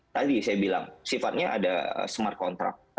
tadi saya bilang sifatnya ada smart contract